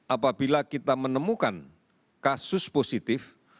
apabila kita menemukan kasus positif